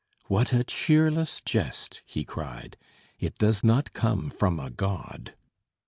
"What a cheerless jest!" he cried. "It does not come from a god!"